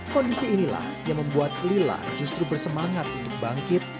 kondisi inilah yang membuat lila justru bersemangat untuk bangkit